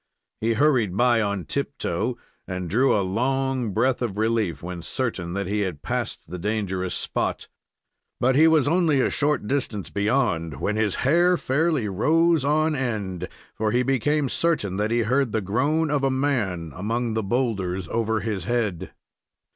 He hurried by on tiptoe, and drew a long breath of relief when certain that he had passed the dangerous spot. But he was only a short distance beyond when his hair fairly arose on end, for he became certain that he heard the groan of a man among the boulders over his head.